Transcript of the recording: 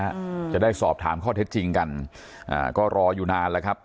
อืมจะได้สอบถามข้อเท็จจริงกันอ่าก็รออยู่นานแล้วครับ